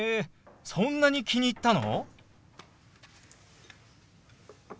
そんなに気に入ったの？